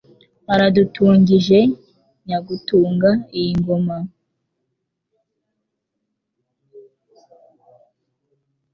Aradutungije Nyagutunga iyi ngoma.